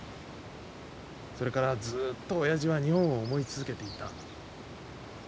それからずっと親父は日本を思い続けていた。